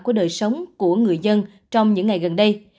của đời sống của người dân trong những ngày gần đây